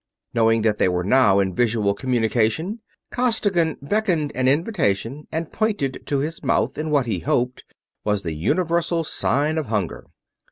Knowing that they were now in visual communication, Costigan beckoned an invitation and pointed to his mouth in what he hoped was the universal sign of hunger.